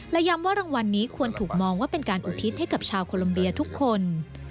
และย้ำว่ารางวัลนี้ควรถูกมองว่าเป็นการอุทิศให้กับชาวโคลัมเบียทุกคน